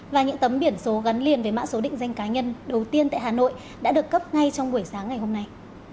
và những tấm biển số gắn liền với mã số định danh cá nhân đầu tiên tại hà nội đã được cấp ngay trong buổi sáng ngày hôm nay